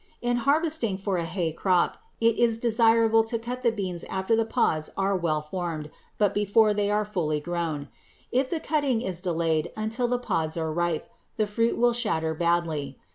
In harvesting for a hay crop it is desirable to cut the beans after the pods are well formed but before they are fully grown. If the cutting is delayed until the pods are ripe, the fruit will shatter badly.